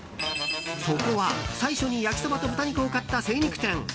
そこは最初に焼きそばと豚肉を買った精肉店。